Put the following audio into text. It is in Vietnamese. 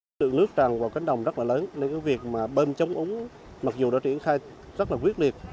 lực lượng nước tràn vào cánh đồng rất là lớn nên việc bơm chống úng mặc dù đã triển khai rất là quyết liệt